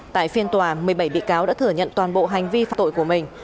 tại phiên tòa một mươi bảy bị cáo đã thừa nhận toàn bộ hành vi phạm tội của mình